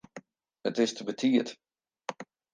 It is te betiid.